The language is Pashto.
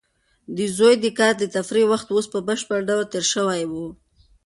د زوی د کار د تفریح وخت اوس په بشپړ ډول تېر شوی و.